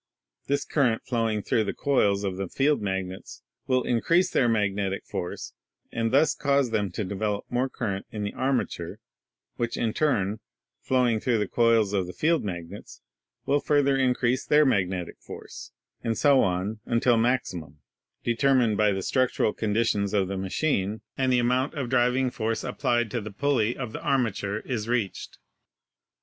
This current flowing through the coils of the field magnets will increase their magnetic force, and thus cause them to develop more current in the armature, which in turn, flowing through the coils of the field magnets, will further increase their magnetic force, and so on until maximum, determined by the structural conditions of the machine and the amount of driving force applied to the pulley of the armature, is reached.